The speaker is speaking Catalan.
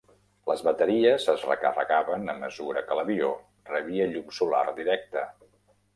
Les bateries es recarregaven a mesura que l"avió rebia llum solar directa.